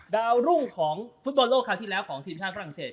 ดาวรุ่งของฟุตบอลโลกครั้งที่แล้วของทีมชาติฝรั่งเศส